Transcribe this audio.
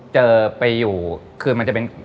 เจอไปอยู่คือมันจะเป็น